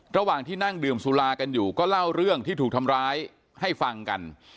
ระหว่างที่นั่งดื่มสุรากันอยู่ก็เล่าเรื่องที่ถูกทำร้ายให้ฟังกัน